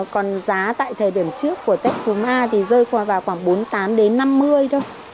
còn giá tại thời điểm trước của tết phường a thì rơi qua vào khoảng bốn mươi tám đến năm mươi thôi